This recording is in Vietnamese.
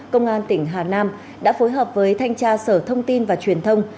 công an tỉnh hà nam đã phối hợp với thanh tra sở thông tin và truyền thông